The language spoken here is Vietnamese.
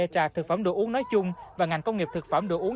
trà thực phẩm đồ uống nói chung và ngành công nghiệp thực phẩm đồ uống